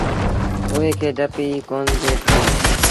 اُئي کي ڊپ ئيٚ ڪوندي ٿيو۔